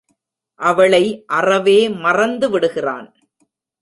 அவளை அறவே மறந்து விடுகிறான்.